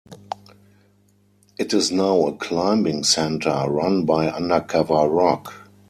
It is now a Climbing Centre run by Undercover Rock.